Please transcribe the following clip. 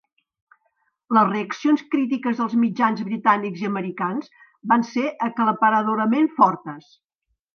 Les reaccions crítiques als mitjans britànics i americans van ser aclaparadorament fortes.